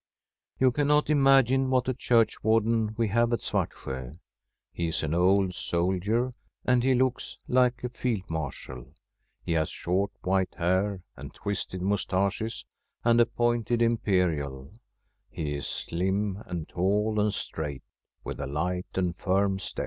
You cannot imagine what a churchwarden we have at Svartsjo. He is an old soldier, and he looks like a Field Marshal. He has short white hair and twisted moustaches, and a pointed im perial; he is slim and tall and straight, with a [ 343 1 Fr9m M SfFEDISH HOMESTEAD light and firm stq>.